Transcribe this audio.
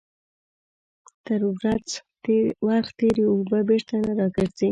تر ورخ تيري اوبه بيرته نه راگرځي.